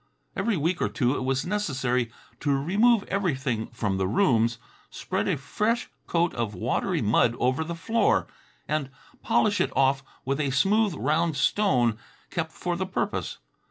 Every week or two it was necessary to remove everything from the rooms, spread a fresh coat of watery mud over the floor, and polish it off with a smooth, round stone kept for the purpose.